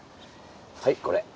はいこれ。